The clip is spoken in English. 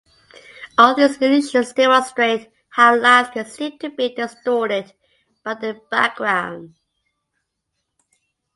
All these illusions demonstrate how lines can seem to be distorted by their background.